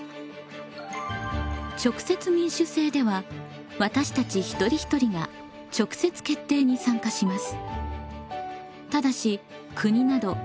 直接民主制では私たち一人一人が直接決定に参加します。